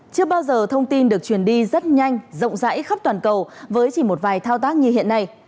chưa bao giờ thông tin được truyền đi rất nhanh rộng rãi khắp toàn cầu với chỉ một vài thao tác như hiện nay